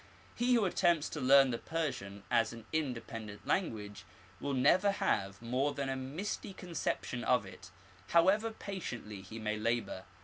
He who attempts to learn the Persian as an inde pendent language will never have more than a misty conception of it, however patiently he may labour.